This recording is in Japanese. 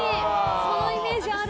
そのイメージある。